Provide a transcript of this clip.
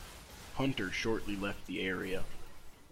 Hunter shortly left the area.